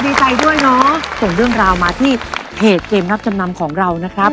ดีใจด้วยเนาะส่งเรื่องราวมาที่เพจเกมรับจำนำของเรานะครับ